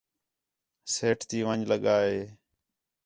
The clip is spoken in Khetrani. سیٹ تی ون٘ڄ لڳا ہِے